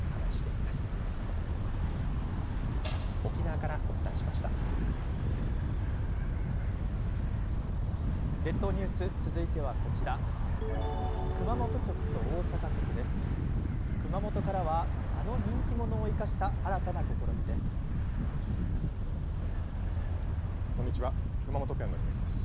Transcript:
熊本からはあの人気者を生かした新たな試みです。